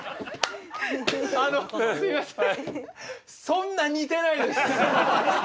そんな似てないです。